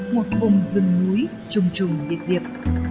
một vùng rừng núi trùng trùng liệt điệp